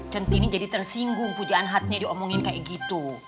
centini jadi tersinggung pujaan hatinya diomongin kayak gitu